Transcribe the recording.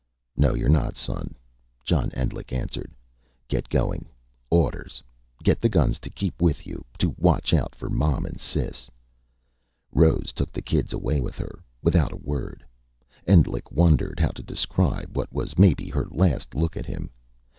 "No you're not, son," John Endlich answered. "Get going. Orders. Get the guns to keep with you to watch out for Mom and Sis." Rose took the kids away with her, without a word. Endlich wondered how to describe what was maybe her last look at him.